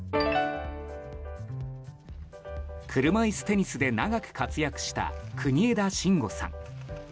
車いすテニスで長く活躍した国枝慎吾さん。